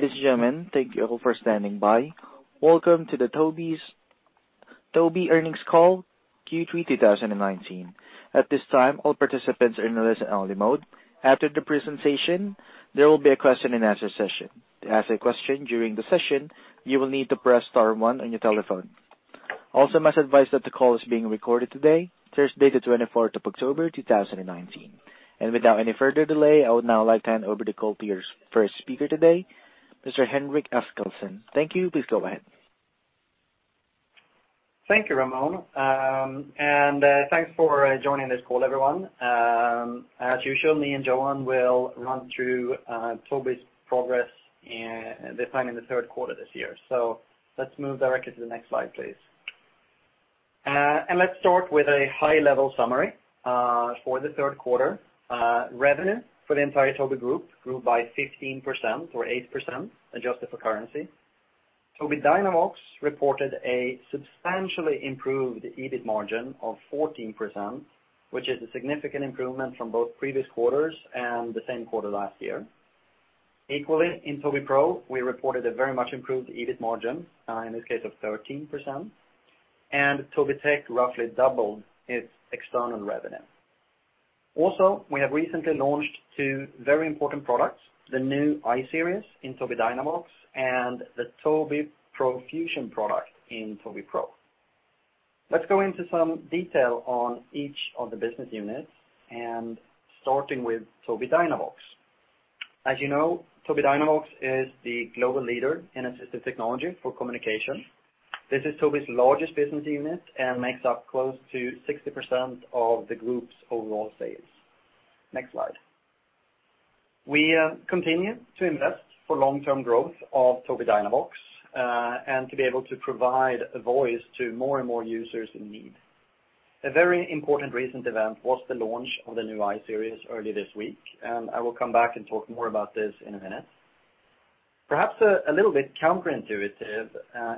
Ladies and gentlemen, thank you all for standing by. Welcome to the Tobii earnings call, Q3 2019. At this time, all participants are in a listen-only mode. After the presentation, there will be a question and answer session. To ask a question during the session, you will need to press star one on your telephone. Also, I must advise that the call is being recorded today, Thursday, the 24th of October, 2019. Without any further delay, I would now like to hand over the call to your first speaker today, Mr. Henrik Eskilsson. Thank you. Please go ahead. Thank you, Ramon. Thanks for joining this call, everyone. As usual, me and Johan will run through Tobii's progress this time in the third quarter this year. Let's move directly to the next slide, please. Let's start with a high-level summary for the third quarter. Revenue for the entire Tobii group grew by 15%, or 8% adjusted for currency. Tobii Dynavox reported a substantially improved EBIT margin of 14%, which is a significant improvement from both previous quarters and the same quarter last year. Equally, in Tobii Pro, we reported a very much improved EBIT margin, in this case of 13%. Tobii Tech roughly doubled its external revenue. Also, we have recently launched two very important products, the new I-Series in Tobii Dynavox and the Tobii Pro Fusion product in Tobii Pro. Let's go into some detail on each of the business units, starting with Tobii Dynavox. As you know, Tobii Dynavox is the global leader in assistive technology for communication. This is Tobii's largest business unit and makes up close to 60% of the group's overall sales. Next slide. We continue to invest for long-term growth of Tobii Dynavox, to be able to provide a voice to more and more users in need. A very important recent event was the launch of the new I-Series earlier this week, and I will come back and talk more about this in a minute. Perhaps a little bit counterintuitive,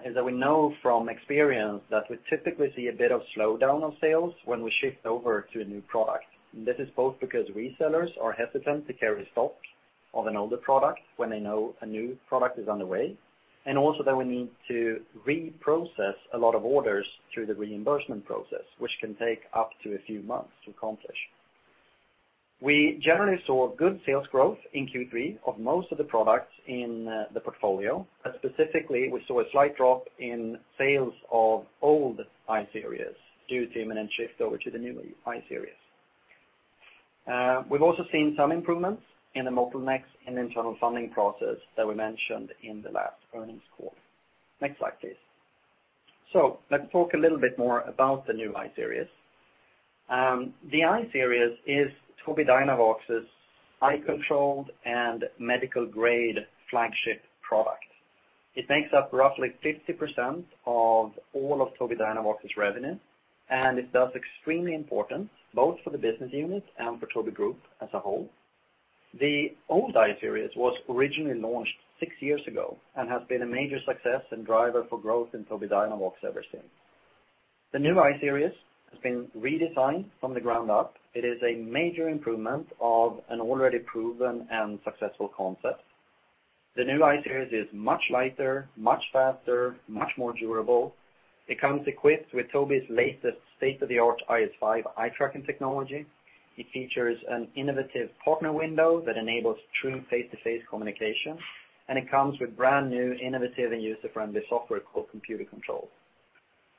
is that we know from experience that we typically see a bit of slowdown on sales when we shift over to a new product. This is both because resellers are hesitant to carry stock of an older product when they know a new product is on the way, and also that we need to reprocess a lot of orders through the reimbursement process, which can take up to a few months to accomplish. Specifically, we saw a slight drop in sales of old I-Series due to the imminent shift over to the new I-Series. We've also seen some improvements in the MobileMax and internal funding process that we mentioned in the last earnings call. Next slide, please. Let's talk a little bit more about the new I-Series. The I-Series is Tobii Dynavox's eye-controlled and medical-grade flagship product. It makes up roughly 50% of all of Tobii Dynavox's revenue, and it is thus extremely important both for the business unit and for Tobii Group as a whole. The old I-Series was originally launched six years ago and has been a major success and driver for growth in Tobii Dynavox ever since. The new I-Series has been redesigned from the ground up. It is a major improvement of an already proven and successful concept. The new I-Series is much lighter, much faster, much more durable. It comes equipped with Tobii's latest state-of-the-art IS5 eye-tracking technology. It features an innovative partner window that enables true face-to-face communication, and it comes with brand-new innovative and user-friendly software called Computer Control.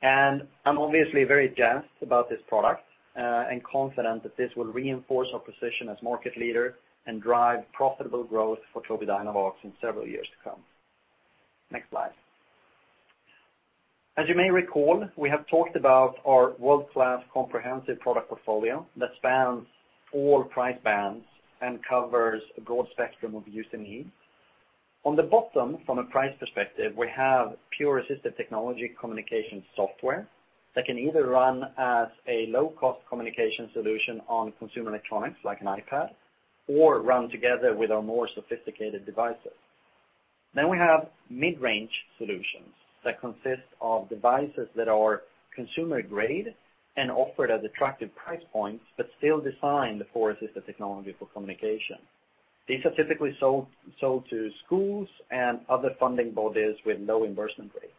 I'm obviously very jazzed about this product, and confident that this will reinforce our position as market leader and drive profitable growth for Tobii Dynavox in several years to come. Next slide. As you may recall, we have talked about our world-class comprehensive product portfolio that spans all price bands and covers a broad spectrum of use and needs. On the bottom, from a price perspective, we have pure assistive technology communication software that can either run as a low-cost communication solution on consumer electronics, like an iPad, or run together with our more sophisticated devices. We have mid-range solutions that consist of devices that are consumer-grade and offered at attractive price points but still designed for assistive technology for communication. These are typically sold to schools and other funding bodies with low reimbursement rates.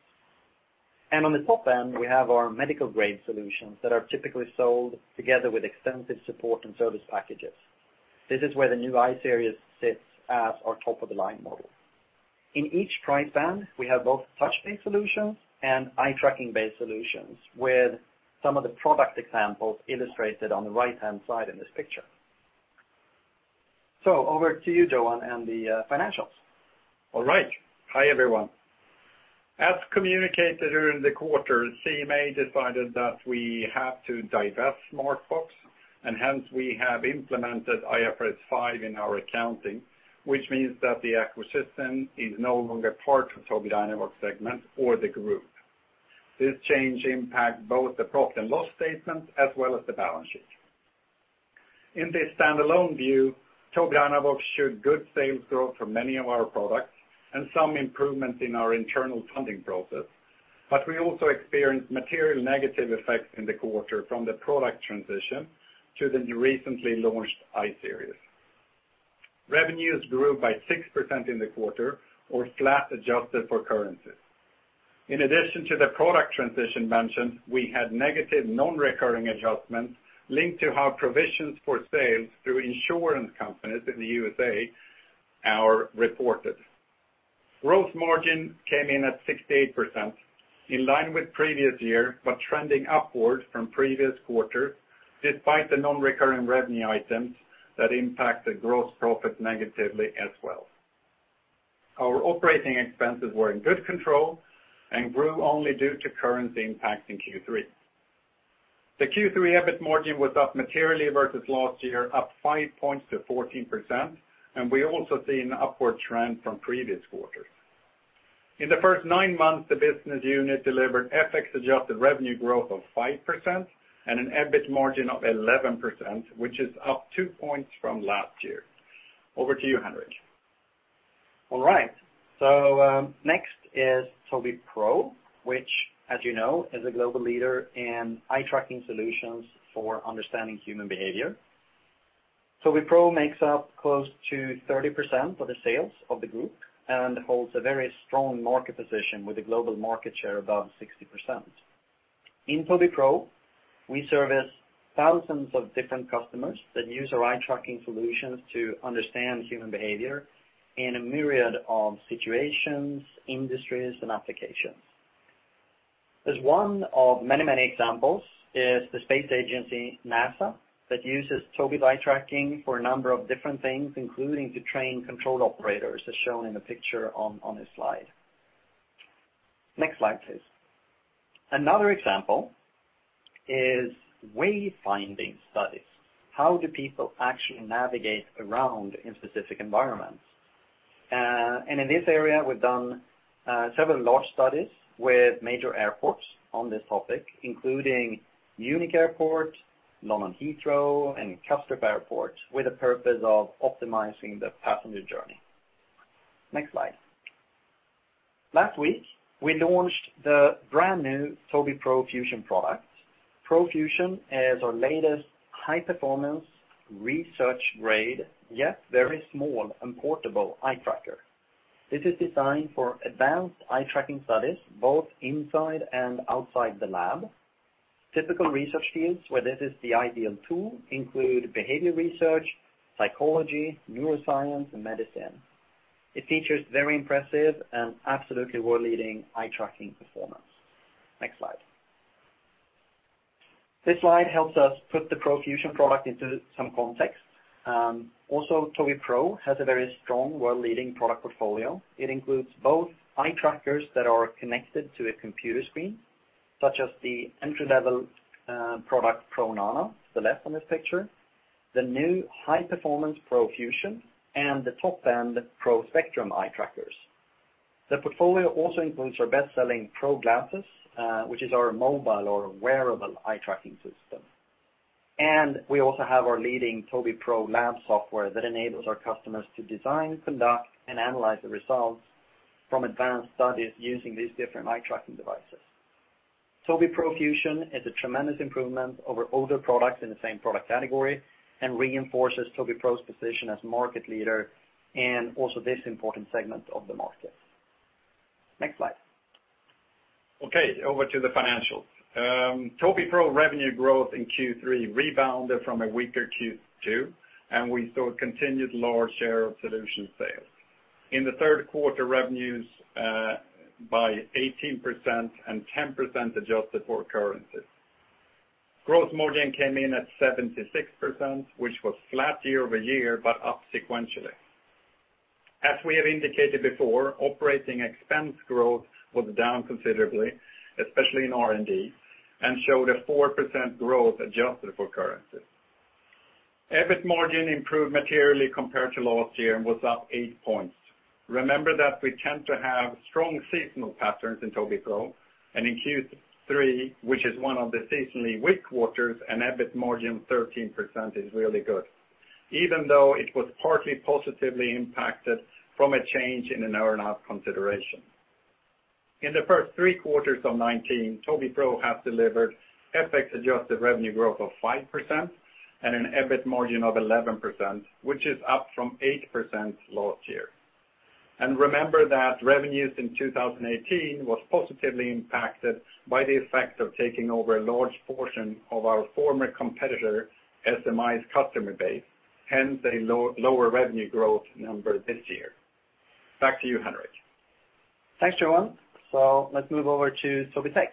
On the top end, we have our medical-grade solutions that are typically sold together with extensive support and service packages. This is where the new I-Series sits as our top-of-the-line model. In each price band, we have both touch-based solutions and eye-tracking based solutions, with some of the product examples illustrated on the right-hand side in this picture. Over to you, Johan, and the financials. All right. Hi, everyone. As communicated during the quarter, CMA decided that we have to divest Smartbox, and hence we have implemented IFRS 5 in our accounting, which means that the acquisition is no longer part of Tobii Dynavox segment or the group. This change impacts both the profit and loss statement as well as the balance sheet. In this stand-alone view, Tobii Dynavox showed good sales growth for many of our products and some improvements in our internal funding process. We also experienced material negative effects in the quarter from the product transition to the recently launched I-Series. Revenues grew by 6% in the quarter, or flat adjusted for currencies. In addition to the product transition mentioned, we had negative non-recurring adjustments linked to how provisions for sales through insurance companies in the U.S. are reported. Gross margin came in at 68%, in line with previous year, but trending upward from previous quarter, despite the non-recurring revenue items that impacted gross profit negatively as well. Our operating expenses were in good control and grew only due to currency impacts in Q3. The Q3 EBIT margin was up materially versus last year, up five points to 14%, and we also see an upward trend from previous quarters. In the first nine months, the business unit delivered FX-adjusted revenue growth of 5% and an EBIT margin of 11%, which is up two points from last year. Over to you, Henrik. All right. Next is Tobii Pro, which as you know, is a global leader in eye tracking solutions for understanding human behavior. Tobii Pro makes up close to 30% of the sales of the group and holds a very strong market position with a global market share above 60%. In Tobii Pro, we service thousands of different customers that use our eye tracking solutions to understand human behavior in a myriad of situations, industries, and applications. As one of many, many examples is the space agency, NASA, that uses Tobii eye tracking for a number of different things, including to train control operators, as shown in the picture on this slide. Next slide, please. Another example is way-finding studies. How do people actually navigate around in specific environments? In this area, we've done several large studies with major airports on this topic, including Munich Airport, London Heathrow, and Kastrup Airport, with the purpose of optimizing the passenger journey. Next slide. Last week, we launched the brand-new Tobii Pro Fusion product. Pro Fusion is our latest high-performance research-grade, yet very small and portable eye tracker. This is designed for advanced eye tracking studies, both inside and outside the lab. Typical research fields where this is the ideal tool include behavior research, psychology, neuroscience, and medicine. It features very impressive and absolutely world-leading eye tracking performance. Next slide. This slide helps us put the Pro Fusion product into some context. Tobii Pro has a very strong world-leading product portfolio. It includes both eye trackers that are connected to a computer screen, such as the entry-level product, Pro Nano, to the left on this picture, the new high-performance Pro Fusion, and the top-end Pro Spectrum eye trackers. The portfolio also includes our best-selling Pro Glasses, which is our mobile or wearable eye tracking system. We also have our leading Tobii Pro Lab software that enables our customers to design, conduct, and analyze the results from advanced studies using these different eye tracking devices. Tobii Pro Fusion is a tremendous improvement over older products in the same product category and reinforces Tobii Pro's position as market leader in also this important segment of the market. Next slide. Okay, over to the financials. Tobii Pro revenue growth in Q3 rebounded from a weaker Q2, and we saw a continued large share of solution sales. In the third quarter, revenues by 18% and 10% adjusted for currencies. Gross margin came in at 76%, which was flat year-over-year, but up sequentially. As we have indicated before, operating expense growth was down considerably, especially in R&D, and showed a 4% growth adjusted for currencies. EBIT margin improved materially compared to last year and was up eight points. Remember that we tend to have strong seasonal patterns in Tobii Pro, and in Q3, which is one of the seasonally weak quarters, an EBIT margin of 13% is really good. Even though it was partly positively impacted from a change in an earn-out consideration. In the first three quarters of 2019, Tobii Pro has delivered FX-adjusted revenue growth of 5% and an EBIT margin of 11%, which is up from 8% last year. Remember that revenues in 2018 was positively impacted by the effect of taking over a large portion of our former competitor SMI's customer base, hence a lower revenue growth number this year. Back to you, Henrik. Thanks, Johan. Let's move over to Tobii Tech.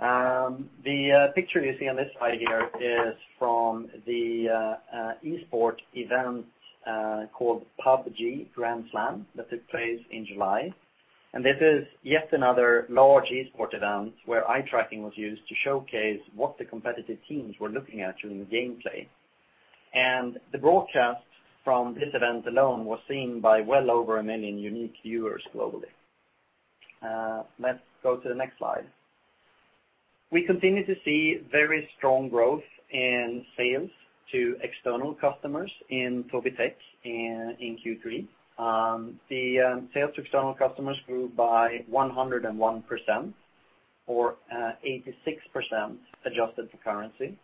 The picture you see on this slide here is from the esports event called PUBG Grand Slam that took place in July. This is yet another large esports event where eye tracking was used to showcase what the competitive teams were looking at during gameplay. The broadcast from this event alone was seen by well over 1 million unique viewers globally. Let's go to the next slide. We continue to see very strong growth in sales to external customers in Tobii Tech in Q3. The sales to external customers grew by 101%, or 86% adjusted for currency.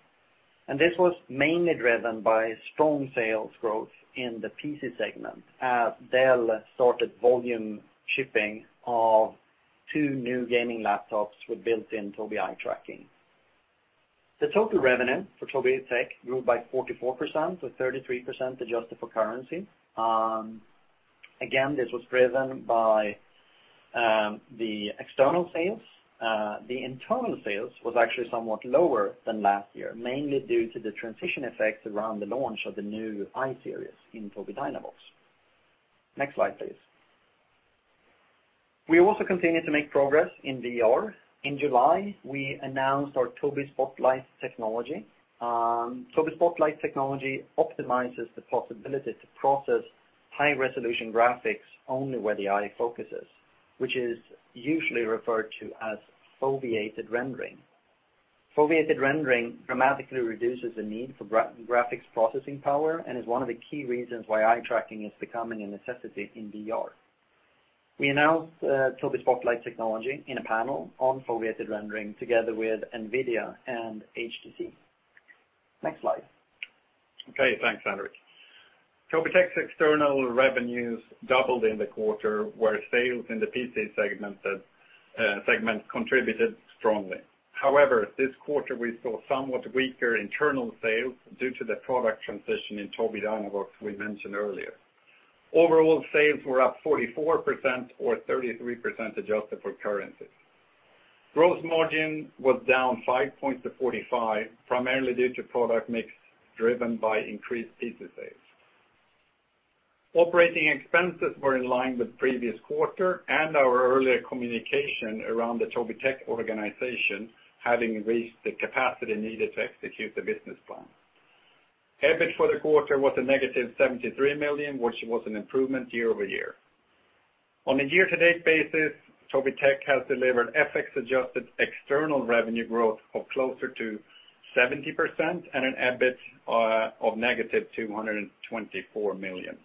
This was mainly driven by strong sales growth in the PC segment as Dell started volume shipping of two new gaming laptops with built-in Tobii eye tracking. The total revenue for Tobii Tech grew by 44%, or 33% adjusted for currency. Again, this was driven by the external sales. The internal sales was actually somewhat lower than last year, mainly due to the transition effects around the launch of the new I-Series in Tobii Dynavox. Next slide, please. We also continue to make progress in VR. In July, we announced our Tobii Spotlight technology. Tobii Spotlight technology optimizes the possibility to process high-resolution graphics only where the eye focuses, which is usually referred to as foveated rendering. Foveated rendering dramatically reduces the need for graphics processing power and is one of the key reasons why eye tracking is becoming a necessity in VR. We announced Tobii Spotlight technology in a panel on foveated rendering together with NVIDIA and HTC. Next slide. Okay, thanks, Henrik. Tobii Tech's external revenues doubled in the quarter, where sales in the PC segment contributed strongly. This quarter, we saw somewhat weaker internal sales due to the product transition in Tobii Dynavox we mentioned earlier. Overall sales were up 44%, or 33% adjusted for currency. Gross margin was down 5 points to 45, primarily due to product mix driven by increased PC sales. Operating expenses were in line with previous quarter and our earlier communication around the Tobii Tech organization having raised the capacity needed to execute the business plan. EBIT for the quarter was a negative 73 million, which was an improvement year-over-year. On a year-to-date basis, Tobii Tech has delivered FX-adjusted external revenue growth of closer to 70% and an EBIT of negative 224 million.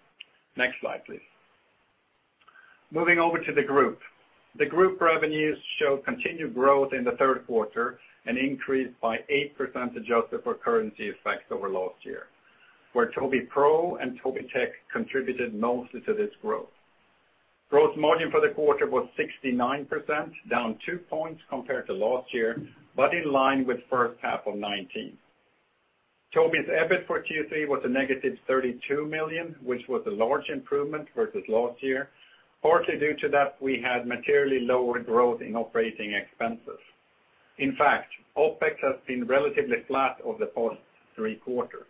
Next slide, please. Moving over to the group. The group revenues show continued growth in the third quarter and increased by 8% adjusted for currency effects over last year, where Tobii Pro and Tobii Tech contributed mostly to this growth. Gross margin for the quarter was 69%, down two points compared to last year, but in line with first half of 2019. Tobii's EBIT for Q3 was a negative 32 million, which was a large improvement versus last year, partly due to that we had materially lower growth in operating expenses. In fact, OpEx has been relatively flat over the past three quarters.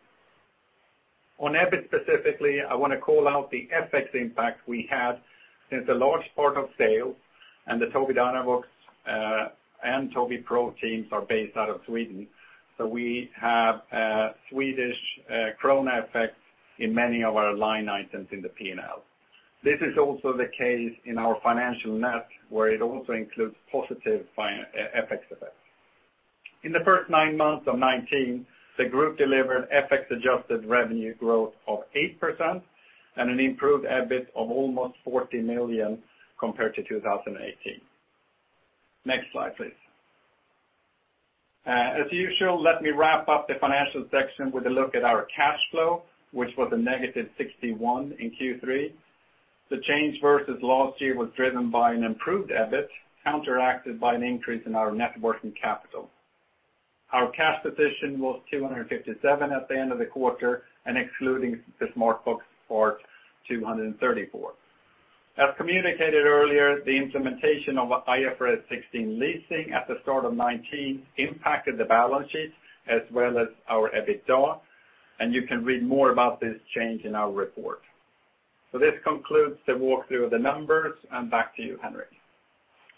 On EBIT specifically, I want to call out the FX impact we had, since a large part of sale and the Tobii Dynavox and Tobii Pro teams are based out of Sweden, so we have a Swedish krona effect in many of our line items in the P&L. This is also the case in our financial net, where it also includes positive FX effects. In the first nine months of 2019, the group delivered FX-adjusted revenue growth of 8% and an improved EBIT of almost 40 million compared to 2018. Next slide, please. As usual, let me wrap up the financial section with a look at our cash flow, which was a negative 61 in Q3. The change versus last year was driven by an improved EBIT, counteracted by an increase in our net working capital. Our cash position was 257 at the end of the quarter and excluding the Smartbox part, 234. As communicated earlier, the implementation of IFRS 16 leasing at the start of 2019 impacted the balance sheet as well as our EBITDA, and you can read more about this change in our report. This concludes the walkthrough of the numbers, and back to you, Henrik.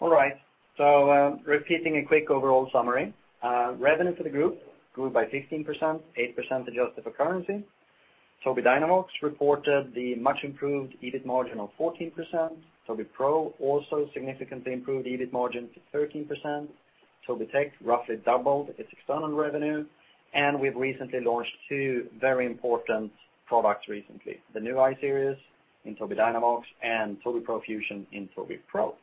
All right. Repeating a quick overall summary. Revenue for the group grew by 15%, 8% adjusted for currency. Tobii Dynavox reported the much-improved EBIT margin of 14%. Tobii Pro also significantly improved EBIT margin to 13%. Tobii Tech roughly doubled its external revenue, and we've recently launched two very important products recently, the new I-Series in Tobii Dynavox and Tobii Pro Fusion in Tobii Pro.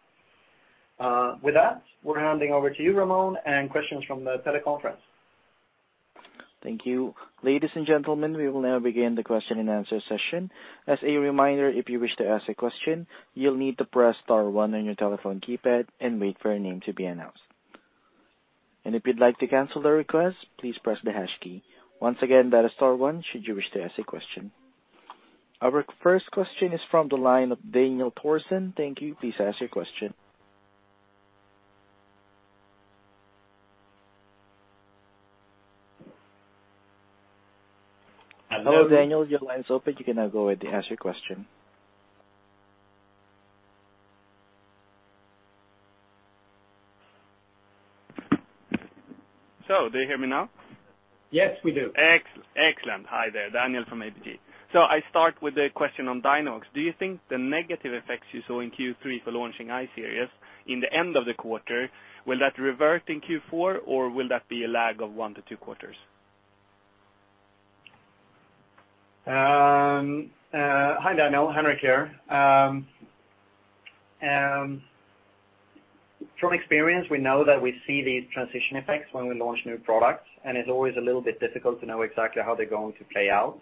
With that, we're handing over to you, Ramon, and questions from the teleconference. Thank you. Ladies and gentlemen, we will now begin the question and answer session. As a reminder, if you wish to ask a question, you'll need to press star one on your telephone keypad and wait for your name to be announced. If you'd like to cancel the request, please press the hash key. Once again, that is star one should you wish to ask a question. Our first question is from the line of Daniel Thorsson. Thank you. Please ask your question. Hello, Daniel. Your line is open. You can now go ahead to ask your question. Do you hear me now? Yes, we do. Excellent. Hi there, Daniel from ABG. I start with a question on Dynavox. Do you think the negative effects you saw in Q3 for launching I-Series in the end of the quarter, will that revert in Q4 or will that be a lag of one to two quarters? Hi, Daniel. Henrik here. From experience, we know that we see these transition effects when we launch new products, and it's always a little bit difficult to know exactly how they're going to play out.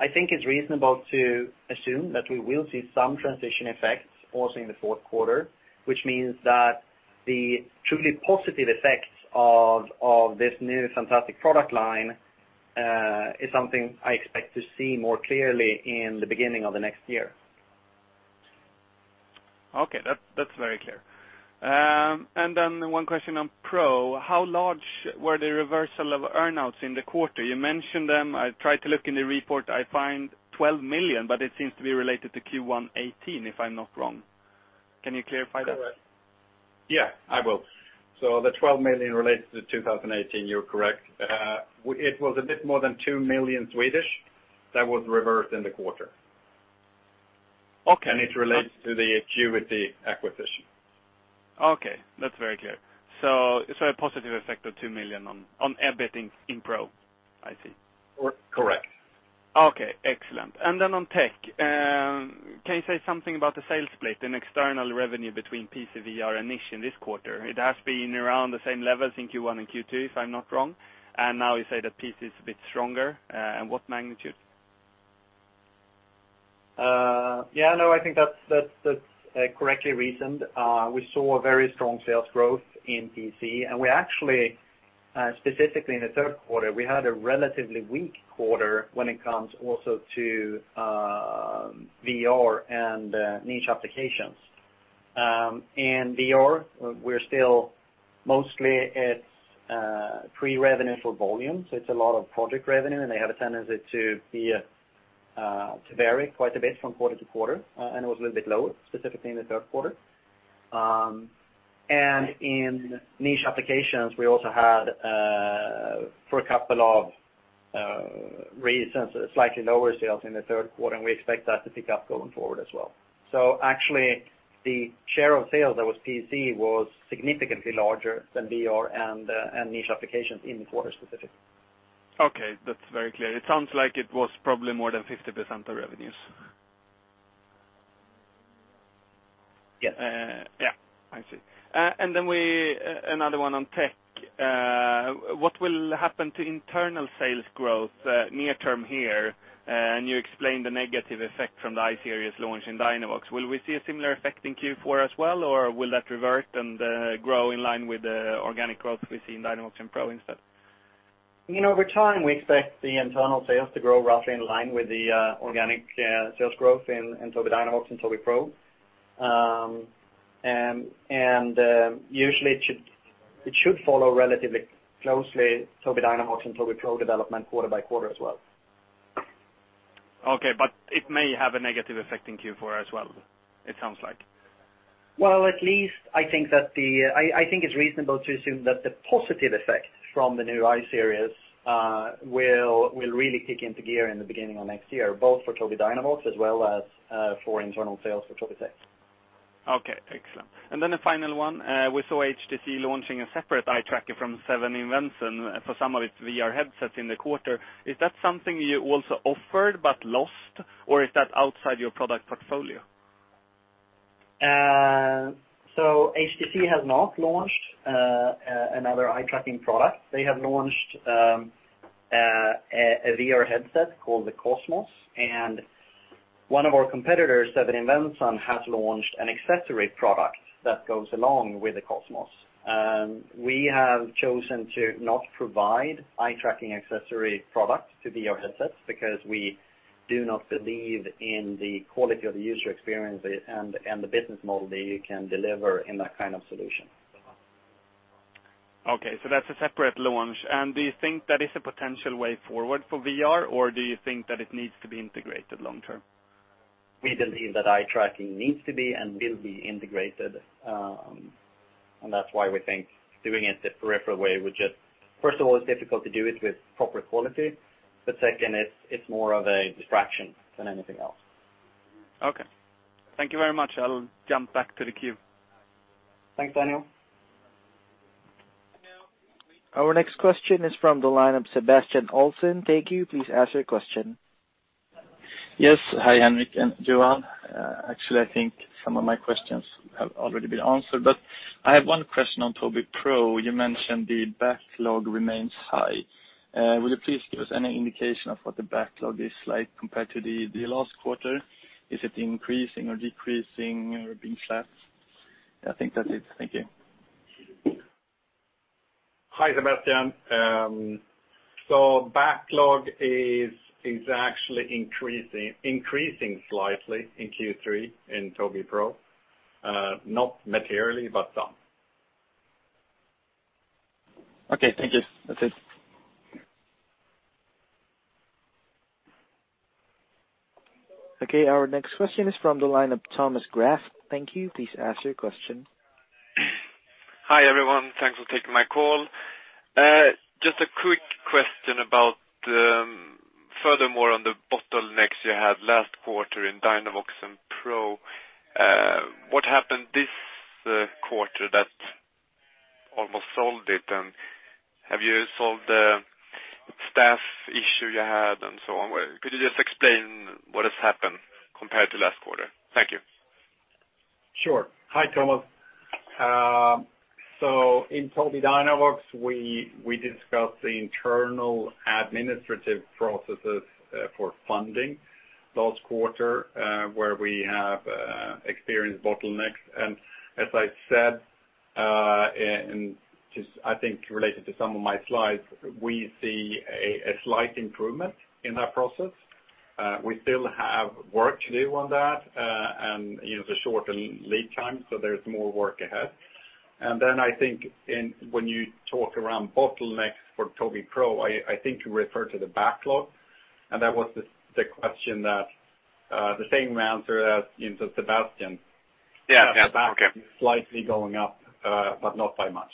I think it's reasonable to assume that we will see some transition effects also in the fourth quarter, which means that the truly positive effects of this new fantastic product line, is something I expect to see more clearly in the beginning of the next year. Okay. That's very clear. One question on Pro. How large were the reversal of earn-outs in the quarter? You mentioned them. I tried to look in the report, I find 12 million, it seems to be related to Q1 2018, if I'm not wrong. Can you clarify that? Correct. Yeah, I will. The 12 million relates to 2018, you're correct. It was a bit more than 2 million that was reversed in the quarter. Okay. It relates to the Acuity acquisition. Okay, that's very clear. A positive effect of 2 million on EBIT in Pro, I see. Correct. Okay, excellent. On Tobii Tech, can you say something about the sales split in external revenue between PC, VR, and niche in this quarter? It has been around the same levels in Q1 and Q2, if I am not wrong. You say that PC is a bit stronger, and what magnitude? Yeah, no, I think that's correctly reasoned. We saw very strong sales growth in PC. We actually, specifically in the third quarter, we had a relatively weak quarter when it comes also to VR and niche applications. In VR, we're still mostly at pre-revenue for volume. It's a lot of project revenue. They have a tendency to vary quite a bit from quarter to quarter. It was a little bit lower, specifically in the third quarter. In niche applications, we also had, for a couple of reasons, slightly lower sales in the third quarter. We expect that to pick up going forward as well. Actually, the share of sales that was PC was significantly larger than VR and niche applications in the quarter specifically. Okay, that's very clear. It sounds like it was probably more than 50% of revenues. Yes. Yeah, I see. Another one on Tech. What will happen to internal sales growth near term here? You explained the negative effect from the I-Series launch in Dynavox. Will we see a similar effect in Q4 as well, or will that revert and grow in line with the organic growth we see in Dynavox and Pro instead? Over time, we expect the internal sales to grow roughly in line with the organic sales growth in Tobii Dynavox and Tobii Pro. Usually it should follow relatively closely Tobii Dynavox and Tobii Pro development quarter by quarter as well. Okay, it may have a negative effect in Q4 as well, it sounds like. Well, at least I think it's reasonable to assume that the positive effect from the new I-Series, will really kick into gear in the beginning of next year, both for Tobii Dynavox as well as for internal sales for Tobii Tech. Okay, excellent. The final one. We saw HTC launching a separate eye tracker from 7invensun for some of its VR headsets in the quarter. Is that something you also offered but lost, or is that outside your product portfolio? HTC has not launched another eye tracking product. They have launched a VR headset called the Cosmos. One of our competitors, 7invensun, has launched an accessory product that goes along with the Cosmos. We have chosen to not provide eye tracking accessory products to VR headsets because we do not believe in the quality of the user experience and the business model that you can deliver in that kind of solution. Okay, that's a separate launch. Do you think that is a potential way forward for VR, or do you think that it needs to be integrated long term? We believe that eye tracking needs to be and will be integrated. That's why we think doing it the peripheral way would just, first of all, it's difficult to do it with proper quality. Second, it's more of a distraction than anything else. Okay. Thank you very much. I'll jump back to the queue. Thanks, Daniel. Our next question is from the line of Sebastian Olsen. Thank you. Please ask your question. Yes. Hi, Henrik and Johan. Actually, I think some of my questions have already been answered, but I have one question on Tobii Pro. You mentioned the backlog remains high. Would you please give us any indication of what the backlog is like compared to the last quarter? Is it increasing or decreasing or being flat? I think that's it. Thank you. Hi, Sebastian. Backlog is actually increasing slightly in Q3 in Tobii Pro. Not materially, but some. Okay, thank you. That's it. Okay, our next question is from the line of Thomas Graf. Thank you. Please ask your question. Hi, everyone. Thanks for taking my call. Just a quick question about, furthermore, on the bottlenecks you had last quarter in Dynavox and Pro. What happened this quarter that almost solved it, and have you solved the staff issue you had and so on? Could you just explain what has happened compared to last quarter? Thank you. Sure. Hi, Thomas. In Tobii Dynavox, we discussed the internal administrative processes for funding last quarter, where we have experienced bottlenecks. As I said, and just, I think related to some of my slides, we see a slight improvement in that process. We still have work to do on that, and the shortened lead time, so there's more work ahead. I think when you talk around bottlenecks for Tobii Pro, I think you refer to the backlog, and that was the question that the same answer as Sebastian. Yeah. Okay. The backlog is slightly going up, but not by much.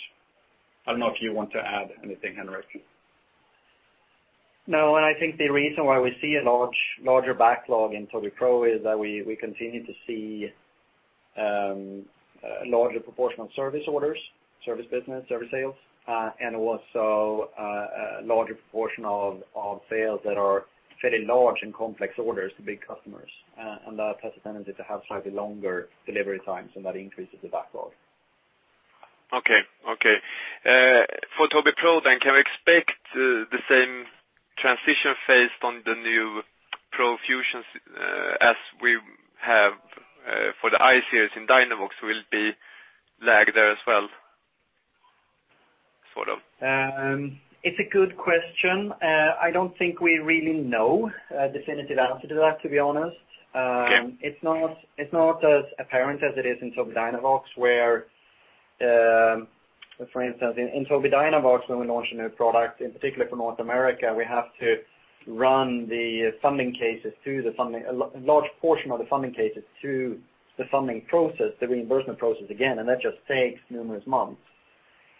I don't know if you want to add anything, Henrik. No. I think the reason why we see a larger backlog in Tobii Pro is that we continue to see a larger proportion of service orders, service business, service sales, and also a larger proportion of sales that are fairly large and complex orders to big customers. That has a tendency to have slightly longer delivery times, and that increases the backlog. Okay. For Tobii Pro then, can we expect the same transition phase on the new Pro Fusions as we have for the I-Series in Dynavox will be lagged there as well, sort of? It's a good question. I don't think we really know a definitive answer to that, to be honest. Yeah. It's not as apparent as it is in Tobii Dynavox, where, for instance, in Tobii Dynavox, when we launch a new product, in particular for North America, we have to run a large portion of the funding cases to the funding process, the reimbursement process again, and that just takes numerous months.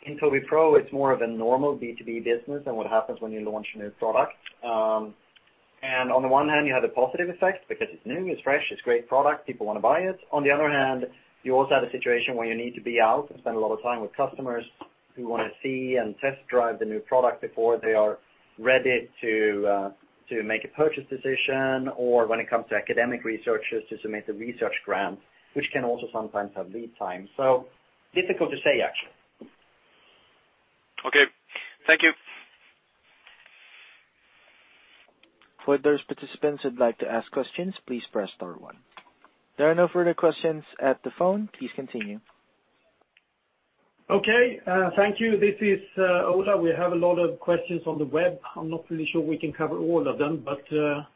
In Tobii Pro, it's more of a normal B2B business than what happens when you launch a new product. On the one hand, you have the positive effect because it's new, it's fresh, it's a great product, people want to buy it. On the other hand, you also have a situation where you need to be out and spend a lot of time with customers who want to see and test drive the new product before they are ready to make a purchase decision, or when it comes to academic researchers to submit the research grant, which can also sometimes have lead time. Difficult to say, actually. Okay. Thank you. For those participants who'd like to ask questions, please press star one. There are no further questions at the phone. Please continue. Okay. Thank you. This is Ola. We have a lot of questions on the web. I'm not really sure we can cover all of them, but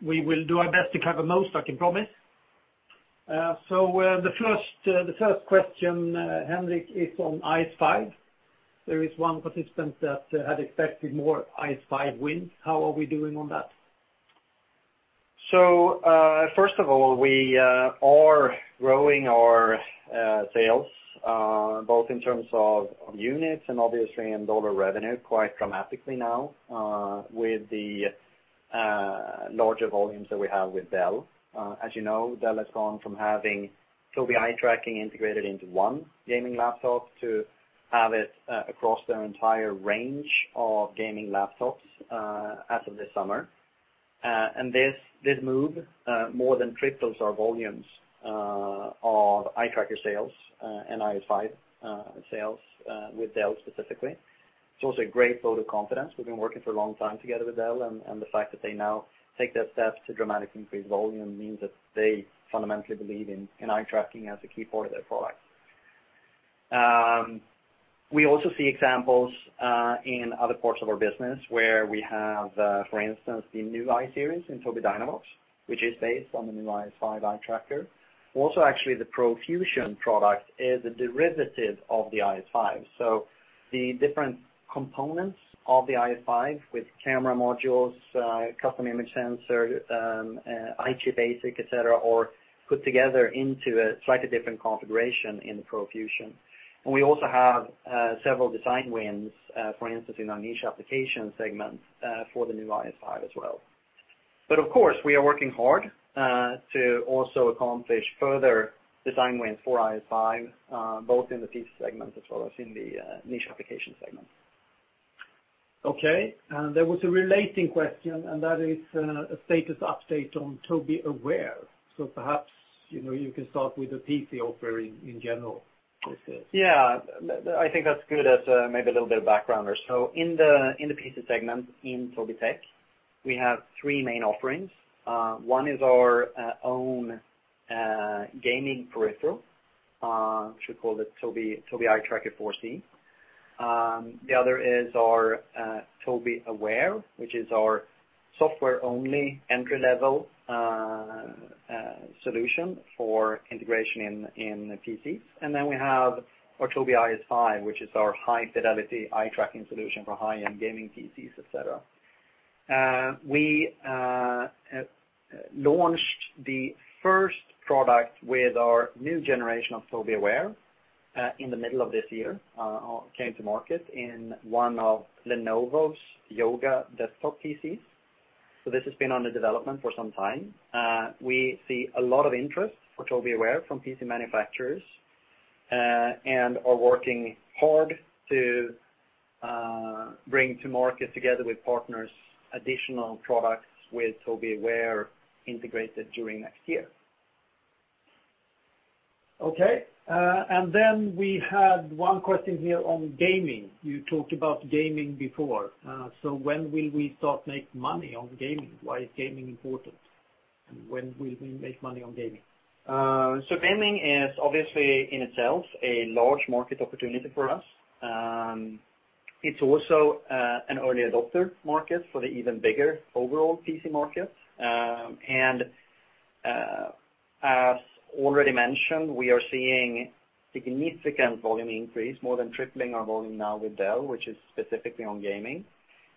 we will do our best to cover most, I can promise. The first question, Henrik, is on IS5. There is one participant that had expected more IS5 wins. How are we doing on that? First of all, we are growing our sales, both in terms of units and obviously in dollar revenue, quite dramatically now, with the larger volumes that we have with Dell. As you know, Dell has gone from having Tobii eye tracking integrated into one gaming laptop to have it across their entire range of gaming laptops as of this summer. This move more than triples our volumes of eye tracker sales and IS5 sales with Dell specifically. It's also a great vote of confidence. We've been working for a long time together with Dell, and the fact that they now take that step to dramatically increase volume means that they fundamentally believe in eye tracking as a key part of their product. We also see examples in other parts of our business where we have, for instance, the new I-Series in Tobii Dynavox, which is based on the new IS5 eye tracker. Also, actually, the Pro Fusion product is a derivative of the IS5. The different components of the IS5 with camera modules, custom image sensor, EyeChip Basic, et cetera, are put together into a slightly different configuration in the Pro Fusion. We also have several design wins, for instance, in our niche application segment, for the new IS5 as well. Of course, we are working hard to also accomplish further design wins for IS5, both in the PC segment as well as in the niche application segment. Okay. There was a relating question, and that is a status update on Tobii Aware. Perhaps, you can start with the PC offering in general with this. I think that's good as maybe a little bit of background there. In the PC segment in Tobii Tech, we have three main offerings. One is our own gaming peripheral, should call it Tobii Eye Tracker 4C. The other is our Tobii Aware, which is our software-only entry-level solution for integration in PCs. We have our Tobii IS5, which is our high-fidelity eye tracking solution for high-end gaming PCs, et cetera. We launched the first product with our new generation of Tobii Aware in the middle of this year, came to market in one of Lenovo's Yoga desktop PCs. This has been under development for some time. We see a lot of interest for Tobii Aware from PC manufacturers, and are working hard to bring to market, together with partners, additional products with Tobii Aware integrated during next year. Okay. We had one question here on gaming. You talked about gaming before, when will we start make money on gaming? Why is gaming important? When will we make money on gaming? Gaming is obviously, in itself, a large market opportunity for us. It's also an early adopter market for the even bigger overall PC market. As already mentioned, we are seeing significant volume increase, more than tripling our volume now with Dell, which is specifically on gaming.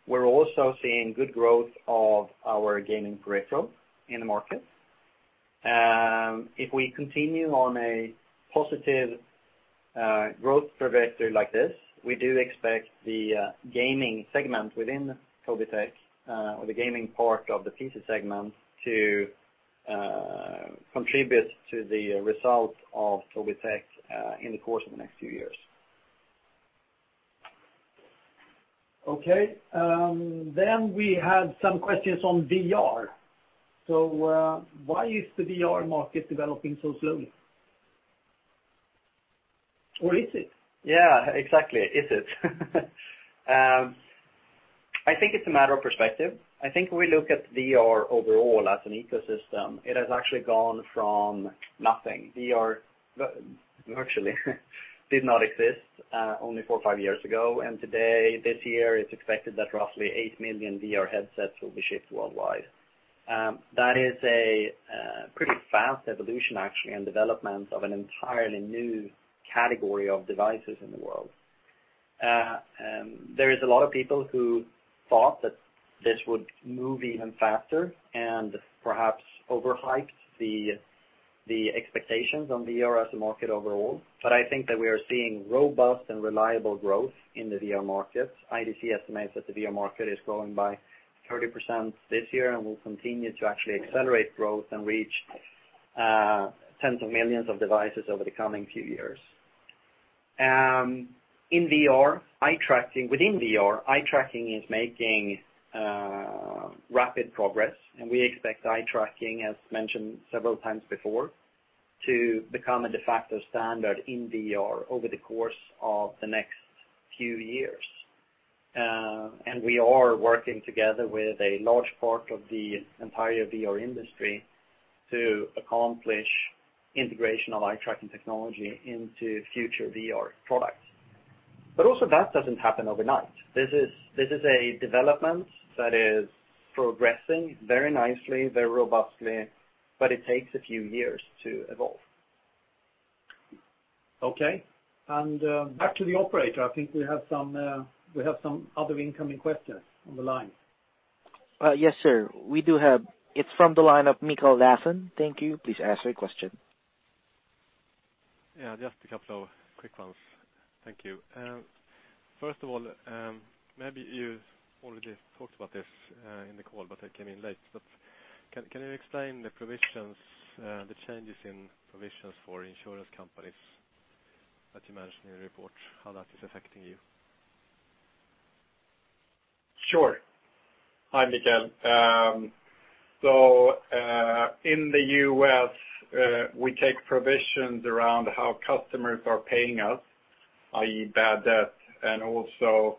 We're also seeing good growth of our gaming peripheral in the market. If we continue on a positive growth trajectory like this, we do expect the gaming segment within Tobii Tech, or the gaming part of the PC segment, to contribute to the results of Tobii Tech in the course of the next few years. Okay. We had some questions on VR. Why is the VR market developing so slowly? Or is it? Yeah, exactly. Is it? I think it's a matter of perspective. I think if we look at VR overall as an ecosystem, it has actually gone from nothing. VR virtually did not exist only four or five years ago. Today, this year, it's expected that roughly 8 million VR headsets will be shipped worldwide. That is a pretty fast evolution, actually, and development of an entirely new category of devices in the world. There is a lot of people who thought that this would move even faster, and perhaps overhyped the expectations on VR as a market overall. I think that we are seeing robust and reliable growth in the VR market. IDC estimates that the VR market is growing by 30% this year, and will continue to actually accelerate growth and reach tens of millions of devices over the coming few years. Within VR, eye tracking is making rapid progress, and we expect eye tracking, as mentioned several times before, to become a de facto standard in VR over the course of the next few years. We are working together with a large part of the entire VR industry to accomplish integration of eye-tracking technology into future VR products. Also, that doesn't happen overnight. This is a development that is progressing very nicely, very robustly, but it takes a few years to evolve. Okay, back to the operator. I think we have some other incoming questions on the line. Yes, sir. We do have. It's from the line of Mikael Lafon. Thank you. Please ask your question. Yeah, just a couple of quick ones. Thank you. First of all, maybe you already talked about this in the call, but I came in late, but can you explain the changes in provisions for insurance companies that you mentioned in your report, how that is affecting you? Sure. Hi, Mikael. In the U.S., we take provisions around how customers are paying us, i.e., bad debt, and also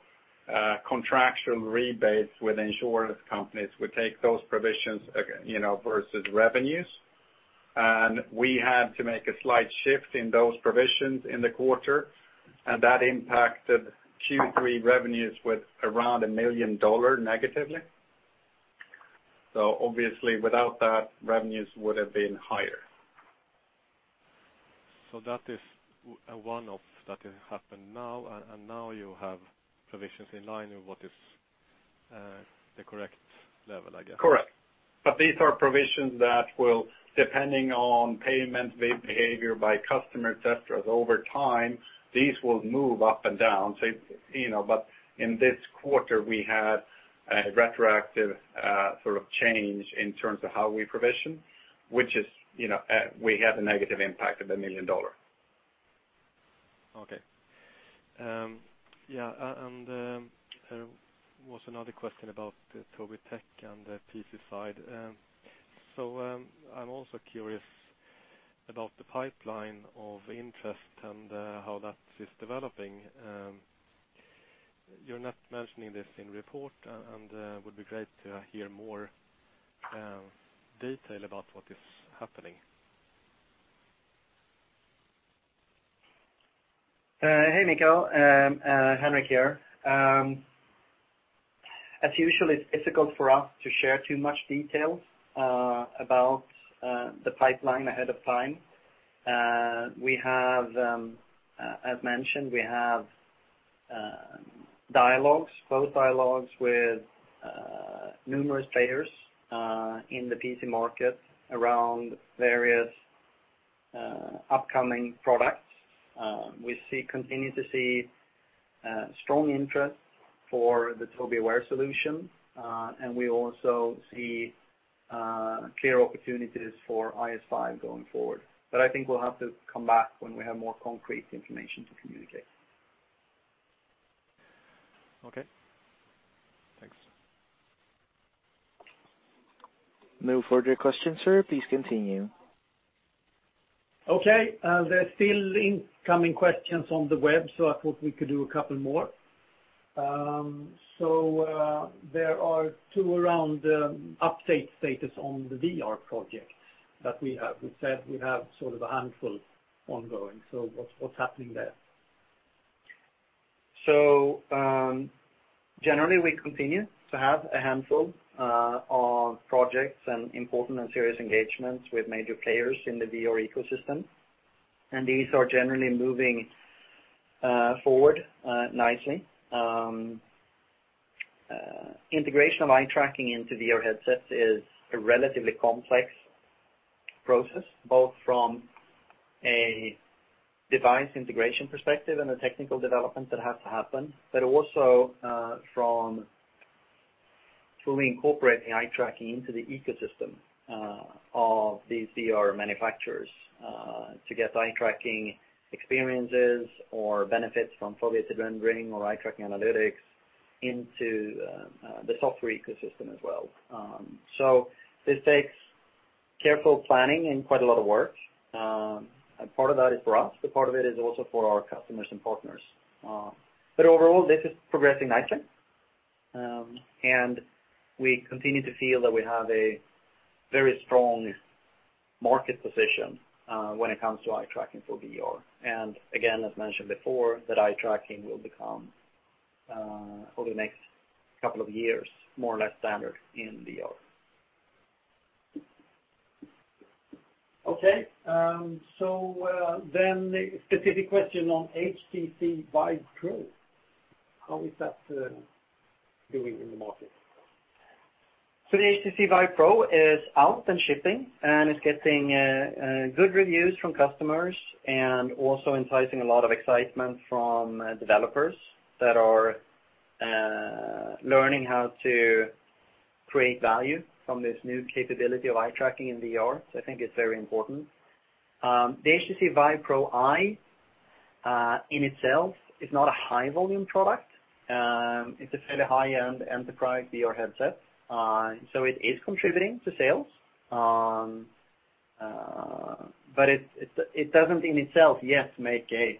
contractual rebates with insurance companies. We take those provisions versus revenues. We had to make a slight shift in those provisions in the quarter, and that impacted Q3 revenues with around $1 million negatively. Obviously, without that, revenues would have been higher. That is a one-off that happened now, and now you have provisions in line with what is the correct level, I guess. Correct. These are provisions that will, depending on payment behavior by customer, et cetera, over time, these will move up and down. In this quarter, we had a retroactive change in terms of how we provision, which is, we had a negative impact of SEK 1 million. Okay. Yeah, there was another question about Tobii Tech and the PC side. I'm also curious about the pipeline of interest and how that is developing. You're not mentioning this in report, and would be great to hear more detail about what is happening. Hey, Mikael. Henrik here. As usual, it's difficult for us to share too much detail about the pipeline ahead of time. As mentioned, we have dialogues, both dialogues with numerous players in the PC market around various upcoming products. We continue to see strong interest for the Tobii Aware solution, and we also see clear opportunities for IS5 going forward. I think we'll have to come back when we have more concrete information to communicate. Okay, thanks. No further questions, sir. Please continue. Okay. There are still incoming questions on the web, so I thought we could do a couple more. There are two around update status on the VR project that we have. We said we have sort of a handful ongoing, so what's happening there? Generally, we continue to have a handful of projects and important and serious engagements with major players in the VR ecosystem. These are generally moving forward nicely. Integration of eye-tracking into VR headsets is a relatively complex process, both from a device integration perspective and a technical development that has to happen, but also from fully incorporating eye-tracking into the ecosystem of these VR manufacturers to get eye-tracking experiences or benefits from foveated rendering or eye-tracking analytics into the software ecosystem as well. This takes careful planning and quite a lot of work. Part of that is for us, but part of it is also for our customers and partners. Overall, this is progressing nicely. We continue to feel that we have a very strong market position when it comes to eye-tracking for VR. Again, as mentioned before, that eye-tracking will become, over the next couple of years, more or less standard in VR. Okay. The specific question on HTC VIVE Pro, how is that doing in the market? The HTC VIVE Pro is out and shipping, and it's getting good reviews from customers and also enticing a lot of excitement from developers that are learning how to create value from this new capability of eye tracking in VR. I think it's very important. The HTC VIVE Pro Eye in itself is not a high-volume product. It's a fairly high-end enterprise VR headset. It is contributing to sales, but it doesn't in itself yet make a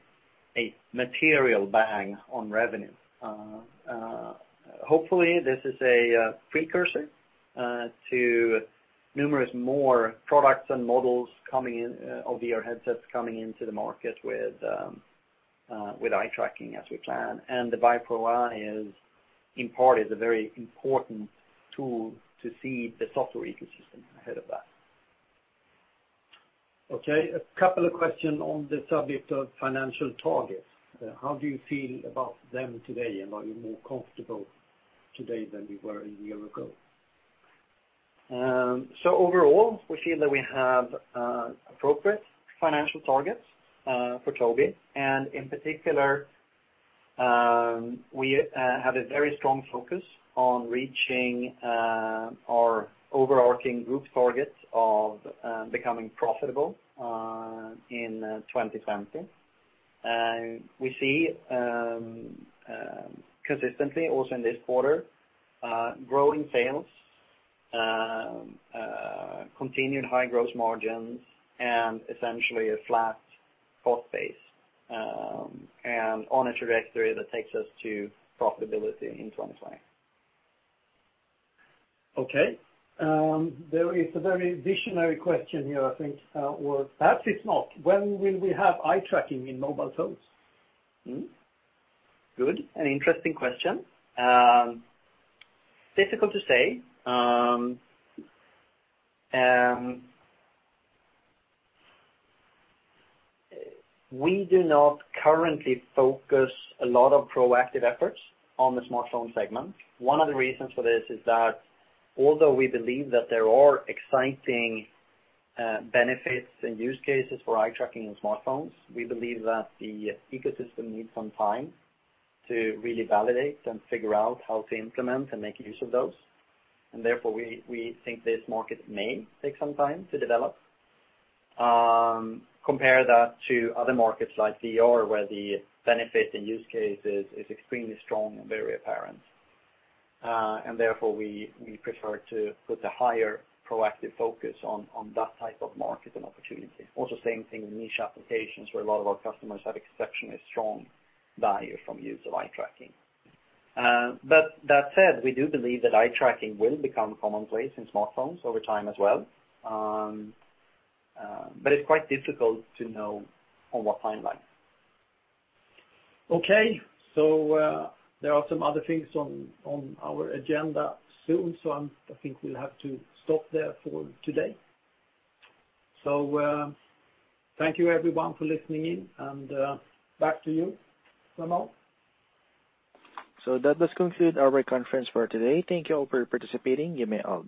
material bang on revenue. Hopefully, this is a precursor to numerous more products and models of VR headsets coming into the market with eye tracking as we plan. The VIVE Pro Eye is, in part, a very important tool to see the software ecosystem ahead of that. Okay, a couple of questions on the subject of financial targets. How do you feel about them today, are you more comfortable today than you were a year ago? Overall, we feel that we have appropriate financial targets for Tobii. In particular, we have a very strong focus on reaching our overarching group target of becoming profitable in 2020. We see consistently, also in this quarter, growing sales, continued high gross margins, and essentially a flat cost base, and on a trajectory that takes us to profitability in 2020. Okay. There is a very visionary question here, I think, or perhaps it's not. When will we have eye-tracking in mobile phones? Good. An interesting question. Difficult to say. We do not currently focus a lot of proactive efforts on the smartphone segment. One of the reasons for this is that although we believe that there are exciting benefits and use cases for eye-tracking in smartphones, we believe that the ecosystem needs some time to really validate and figure out how to implement and make use of those. Therefore, we think this market may take some time to develop. Compare that to other markets like VR, where the benefit and use cases is extremely strong and very apparent. Therefore, we prefer to put a higher proactive focus on that type of market and opportunity. Also, same thing with niche applications where a lot of our customers have exceptionally strong value from use of eye-tracking. That said, we do believe that eye tracking will become commonplace in smartphones over time as well. It's quite difficult to know on what timeline. Okay. There are some other things on our agenda soon, so I think we'll have to stop there for today. Thank you, everyone, for listening in, and back to you, Ramon. That does conclude our conference for today. Thank you all for participating. You may all disconnect.